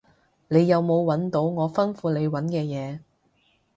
你有冇搵到我吩咐你搵嘅嘢？